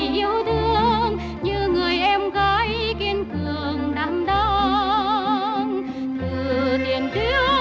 đều có chúng ta những người chiến sĩ áo trắng